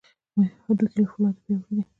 هډوکي له فولادو پیاوړي دي.